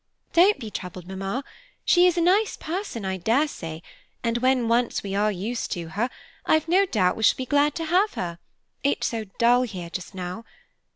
"Don't be troubled, Mamma. She is a nice person, I dare say, and when once we are used to her, I've no doubt we shall be glad to have her, it's so dull here just now.